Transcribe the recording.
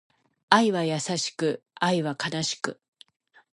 愛は優しく、愛は悲しく